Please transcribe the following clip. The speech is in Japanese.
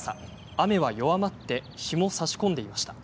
雨は弱まって日もさし込んでいました。